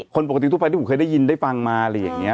คนปกติทั่วไปที่ผมเคยได้ยินได้ฟังมาอะไรอย่างนี้